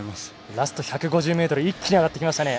ラスト１５０ｍ一気に上がってきましたね。